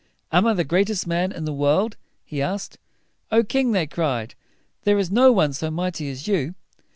"Am I the greatest man in the world?" he asked. "O king!" they cried, "there is no one so mighty as you."